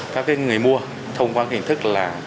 các người mua thông qua hình thức là